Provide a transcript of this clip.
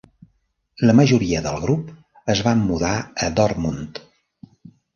La majoria del grup es van mudar a Dortmund.